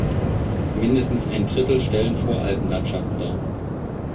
Mindestens ein Drittel stellen Voralpen-Landschaften dar.